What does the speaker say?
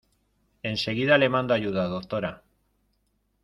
enseguida le mando ayuda, doctora.